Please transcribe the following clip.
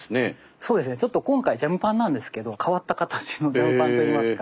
そうですねちょっと今回ジャムパンなんですけど変わった形のジャムパンといいますか。